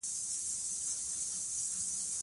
که یووالي وساتو نو هیواد نه تجزیه کیږي.